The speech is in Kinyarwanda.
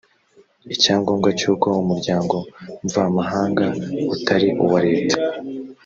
icyangombwa cyuko umuryango mvamahanga utari uwa leta